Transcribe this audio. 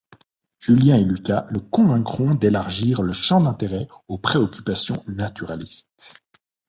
Julien et Lucas le convaincront d'élargir le champ d'intérêt aux préoccupations naturalistes.